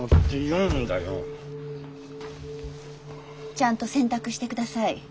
ちゃんと選択してください。